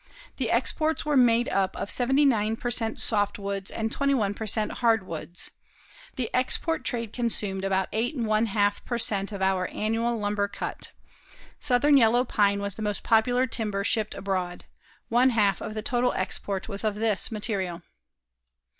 The exports were made up of 79 per cent. softwoods and 21 per cent. hardwoods. The export trade consumed about 8 1/2 per cent. of our annual lumber cut. Southern yellow pine was the most popular timber shipped abroad. One half of the total export was of this material.